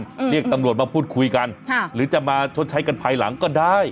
เรียกตำรวจมาพูดคุยกันค่ะหรือจะมาชดใช้กันภายหลังก็ได้